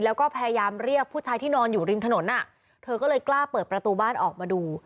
แล้วก็พยายามเรียกผู้ชายที่นอนอยู่ริมถนนอ่ะเธอก็เลยกล้าเปิดประตูบ้านออกมาดู